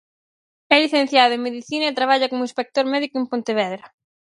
É licenciado en Medicina e traballa como inspector médico en Pontevedra.